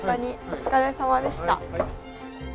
お疲れさまでした。